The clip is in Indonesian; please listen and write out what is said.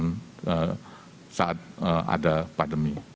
dan saat ada pandemi